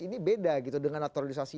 ini beda gitu dengan naturalisasi